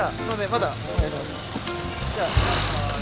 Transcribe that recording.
またお願いします。